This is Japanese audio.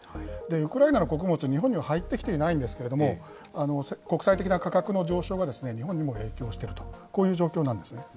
ウクライナの穀物、日本には入ってきていないんですけれども、国際的な価格の上昇が日本にも影響していると、こういう状況なんですね。